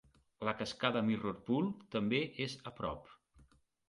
La cascada Mirror Pool també és a prop.